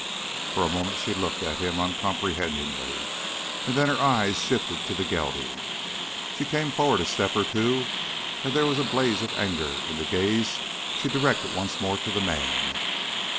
For a moment she looked at him uncomprehendingly, and then her eyes shifted to the gelding. She came forward a step or two, and there was a blaze of anger in the gaze she directed once more to the man.